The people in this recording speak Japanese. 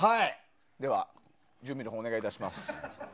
では、準備のほうお願いいたします。